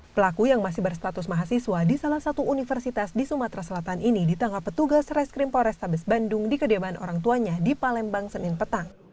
pelaku yang masih berstatus mahasiswa di salah satu universitas di sumatera selatan ini ditangkap petugas reskrim polrestabes bandung di kediaman orang tuanya di palembang senin petang